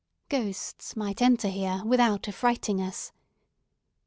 Ghosts might enter here without affrighting us.